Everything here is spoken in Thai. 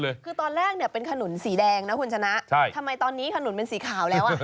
คือตอนแรกเนี่ยเป็นขนุนสีแดงนะคุณชนะใช่ทำไมตอนนี้ขนุนเป็นสีขาวแล้วอ่ะ